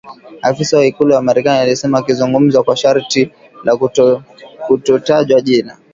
afisa wa Ikulu ya Marekani alisema akizungumza kwa sharti la kutotajwa jina